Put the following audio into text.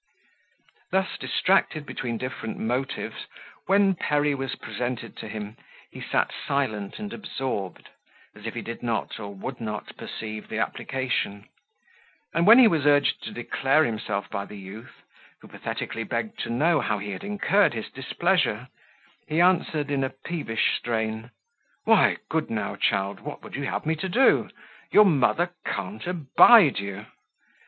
Thus distracted between different motives, when Perry was presented to him, he sat silent and absorbed, as if he did not or would not perceive the application; and when he was urged to declare himself by the youth, who pathetically begged to know how he had incurred his displeasure, he answered, in a peevish strain, "Why, good now, child, what would you have me to do? your mother can't abide you."